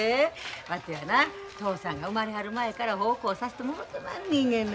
わてはな嬢さんが生まれはる前から奉公さしてもろてまんねんがな。